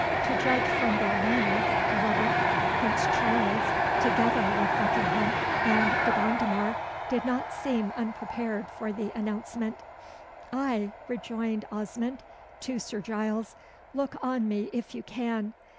To judge from their manner, however, Prince Charles, together with Buckingham and De Gondomar, did not seem unprepared for the announcement. "Ay," rejoined Osmond to Sir Giles. "Look on me if you can.